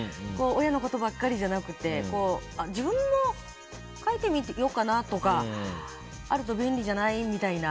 親のことばかりじゃなくて自分も書いてみようかなとかあると便利じゃない？みたいな。